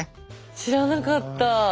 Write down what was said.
知らなかった。